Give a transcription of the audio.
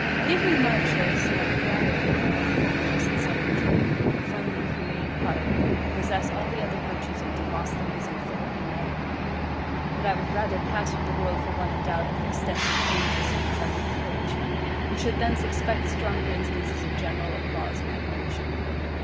Give me my choice, and I would rather, for my own happiness and self enjoyment, have a friendly, humane heart, than possess all the other virtues of Demosthenes and Philip united: but I would rather pass with the world for one endowed with extensive genius and intrepid courage, and should thence expect stronger instances of general applause and admiration.